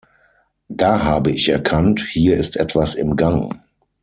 Da habe ich erkannt: hier ist etwas im Gang.